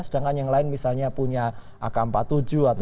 sedangkan yang lain misalnya punya ak empat puluh tujuh atau